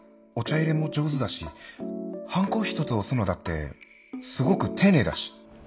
いれも上手だしハンコ一つ押すのだってすごく丁寧だし。